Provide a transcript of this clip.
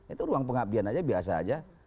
itu ruang pengabdian aja biasa aja